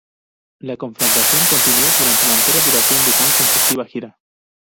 La confrontación continuó durante la entera duración de tan conflictiva gira.